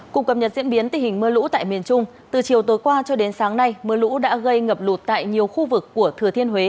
cục cập nhật diễn biến tình hình mưa lũ tại miền trung từ chiều tối qua cho đến sáng nay mưa lũ đã gây ngập lụt tại nhiều khu vực của thừa thiên huế